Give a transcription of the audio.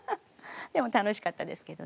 でも楽しかったですけどね。